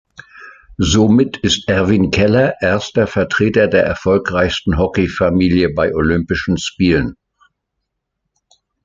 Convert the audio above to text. Somit ist Erwin Keller erster Vertreter der erfolgreichsten Hockey-Familie bei Olympischen Spielen.